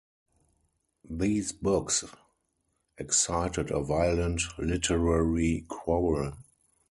These books excited a violent literary quarrel.